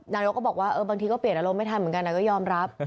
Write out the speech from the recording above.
นายกก็บอกว่าบางทีก็เปลี่ยนอารมณ์ไม่ทันเหมือนกันก็ยอมรับ